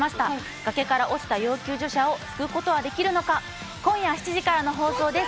崖から落ちた要救助者を救うことはできるのか、今夜７時からの放送です。